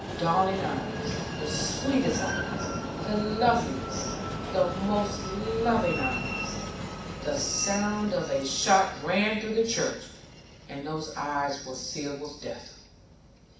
Darling eyes, the sweetest eyes, the loveliest, the most loving eyes the sound of a shot rang through the church, and those eyes were filled with death.